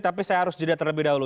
tapi saya harus jeda terlebih dahulu